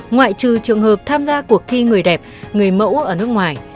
ngoại trừ trường hợp tham gia cuộc thi người đẹp người mẫu ở nước ngoài